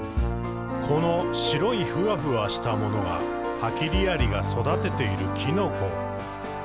「この白いふわふわしたものがハキリアリが育てているきのこ。」